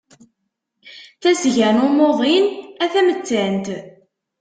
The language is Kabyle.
Tasga n umuḍin, a tamettant!